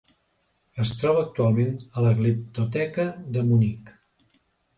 Es troba actualment a la Gliptoteca de Munic.